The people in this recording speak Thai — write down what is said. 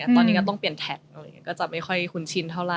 ตอนนี้ก็ต้องเปลี่ยนแท็กก็จะไม่ค่อยคุ้นชินเท่าไหร่